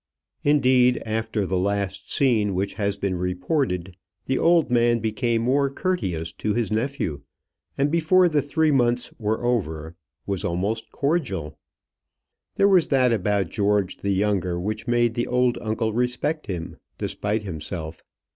Indeed, after the last scene which has been reported, the old man became more courteous to his nephew, and before the three months were over was almost cordial. There was that about George the younger which made the old uncle respect him, despite himself.